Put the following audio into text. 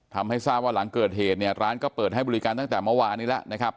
ทำให้ทราบว่าหลังเกิดเหตุเนี่ยร้านก็เปิดให้บริการตั้งแต่เมื่อวานนี้แล้วนะครับ